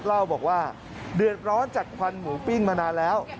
เล่าบอกว่าเดือดร้อนจากควันหมูปิ้งมานานแล้ว